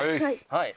「はい」